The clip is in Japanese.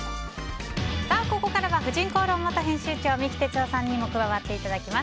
ここからは「婦人公論」元編集長三木哲男さんにも加わっていただきます。